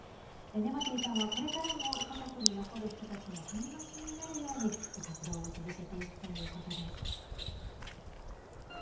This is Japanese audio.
ネマティさんはこれからも祖国に残る人たちの励ましになるように活動を続けていくということです。